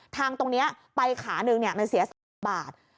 ทางตรงนี้ไปขาหนึ่งมันเสียสัก๑๐บาท